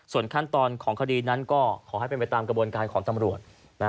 ส่วนขั้นตอนของคดีนั้นก็ขอให้เป็นไปตามกระบวนการของตำรวจ